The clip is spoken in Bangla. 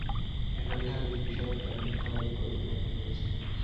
একাধিক হাদীস বিশারদ তাকে মিথ্যাবাদী প্রতিপন্ন করেছেন।